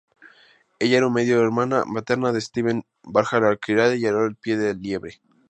Ella era una medio-hermana paterna de Svend "Barba Ahorquillada" y Harold "pie de liebre".